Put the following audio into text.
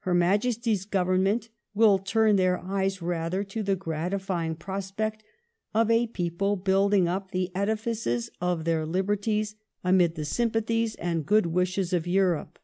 Her Majesty's Government will tnm their eyes rather to the gratifying prospect of a people buildlz^ ixp the edifices of their liberties amid the sympathies and good wishes of Europe.